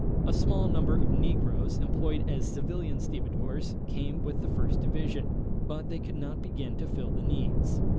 A small number of negroes employed as civilian stevedores came with the First Division, but they could not begin to fill the needs.